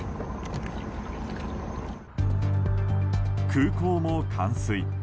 空港も冠水。